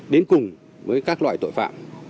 đến cùng với các loại tội phạm